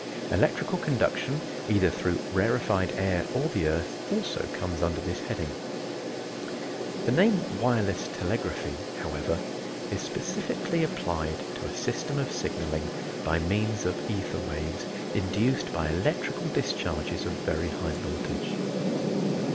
Electrical conduction, either through rarefied air or the earth, also comes under this heading. The name "Wireless Telegraphy," however, is specifically applied to a system of signaling by means of ether waves induced by electrical discharges of very high voltage.